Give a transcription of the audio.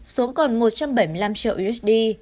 xuống còn một trăm bảy mươi năm triệu usd